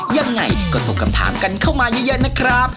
ยังไงก็ส่งคำถามกันเข้ามาเยอะนะครับ